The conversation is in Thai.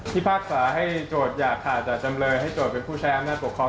ที่ภาคสาให้จวดอย่าขาดจำเลยให้จวดเป็นผู้แชมน่าปกครอง